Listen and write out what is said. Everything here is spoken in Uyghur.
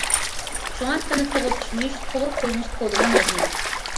شۇڭا تىلنى توغرا چۈشىنىش، توغرا قوللىنىش تولىمۇ مۇھىم.